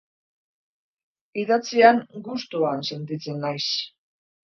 Idatzian gustuan sentitzen naiz.